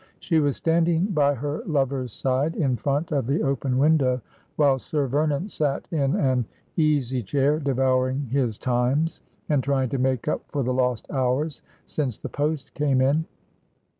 She was standing by her lover's side in front of the open ■window, while Sir Vernon sat in an easy chair devouring his Times, and trying to make up for the lost hours since the post came in.